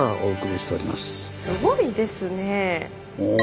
すごいですねぇ。